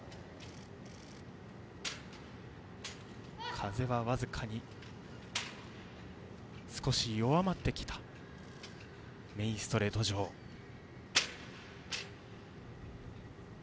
風は少し弱まってきたメインストレート上です。